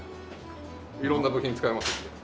色んな部品使えますので。